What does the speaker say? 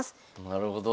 なるほど。